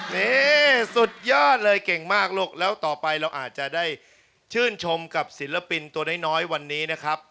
นี่สุดยอดเลยเก่งมากลูกแล้วต่อไปเราอาจจะได้ชื่นชมกับศิลปินตัวน้อยวันนี้นะครับ